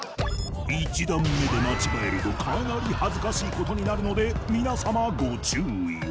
１段目で間違えるとかなり恥ずかしいことになるので皆様ご注意を！